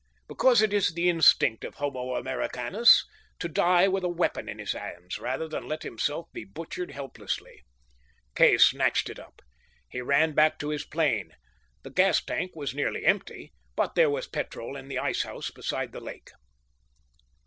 Because it is the instinct of homo Americanus to die with a weapon in his hands, rather than let himself be butchered helplessly, Kay snatched it up. He ran back to his plane. The gas tank was nearly empty, but there was petrol in the ice house beside the lake.